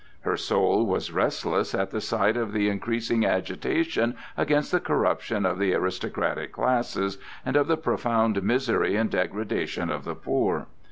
Her soul was restless at the sight of the increasing agitation against the corruption of the aristocratic classes and of the profound misery and degradation of the poor.